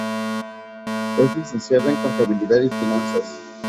Es licenciado en Contabilidad y Finanzas.